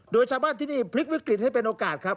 โดยชาวบ้านที่นี่พลิกวิกฤตให้เป็นโอกาสครับ